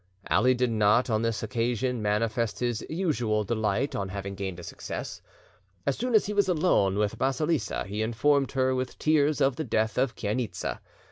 Ali did not on this occasion manifest his usual delight on having gained a success. As soon as he was alone with Basilissa, he informed her with tears of the death of Chainitza.